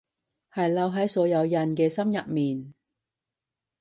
係留喺所有人嘅心入面